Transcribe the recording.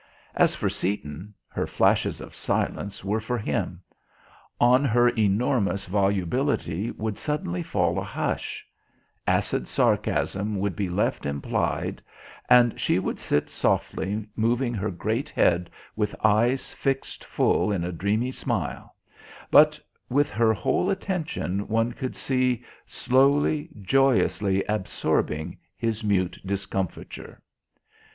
As for Seaton her flashes of silence were for him. On her enormous volubility would suddenly fall a hush: acid sarcasm would be left implied; and she would sit softly moving her great head, with eyes fixed full in a dreamy smile; but with her whole attention, one could see, slowly, joyously absorbing his mute discomfiture.